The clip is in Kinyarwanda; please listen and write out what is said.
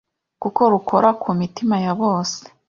kuko rukora ku mitima ya bose